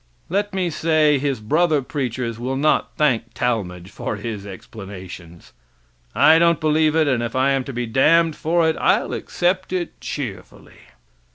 Let me say his brother preachers will not thank Talmage for his explanations. I don't believe it, and if I am to be damned for it, I'll accept it cheerfully.